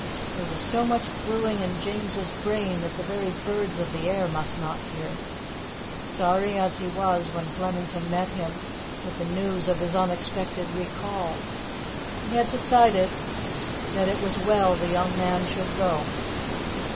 There was so much brewing in James's brain that the very birds of the air must not hear. Sorry as he was when Flemington met him with the news of his unexpected recall, he had decided that it was well the young man should go.